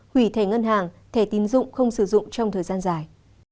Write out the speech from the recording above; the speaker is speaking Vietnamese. hủy thẻ ngân hàng thẻ tín dụng không sử dụng trong thời gian dài